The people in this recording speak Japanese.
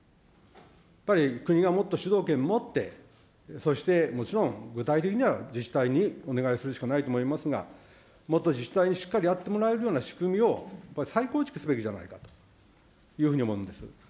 やっぱり国がもっと主導権持って、そしてもちろん、具体的には自治体にお願いするしかないと思いますが、もっと自治体にしっかりやってもらえるような仕組みを、やっぱり再構築すべきではないかというふうに思うんです。